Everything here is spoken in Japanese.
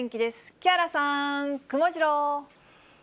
木原さん、くもジロー。